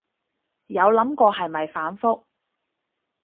有諗過係咪反覆